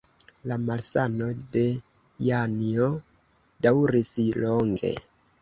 La malsano de Janjo daŭris longe.